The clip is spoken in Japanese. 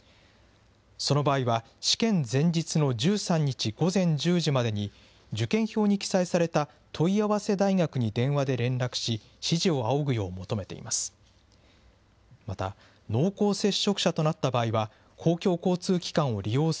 その場合は試験前日の１３日午前１０時までに、受験票に記載された問い合わせ大学に電話で連絡し、指示を仰ぐよう求めています。